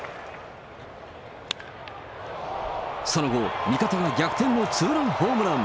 その後、味方が逆転のツーランホームラン。